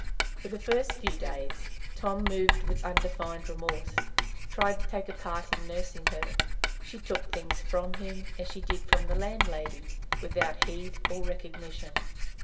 For the first few days, Tom, moved with undefined remorse, tried to take a part in nursing her. She took things from him, as she did from the landlady, without heed or recognition.